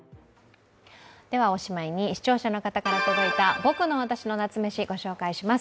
おしまいに、視聴者の方から届いた、「ぼくのわたしの夏メシ」ご紹介します。